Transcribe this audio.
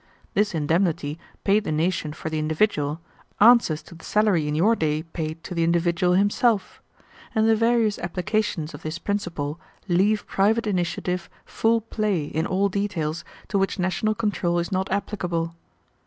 This indemnity paid the nation for the individual answers to the salary in your day paid to the individual himself; and the various applications of this principle leave private initiative full play in all details to which national control is not applicable.